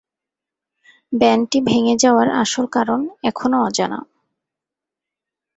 ব্যান্ডটি ভেঙ্গে যাওয়ার আসল কারণ এখনো অজানা।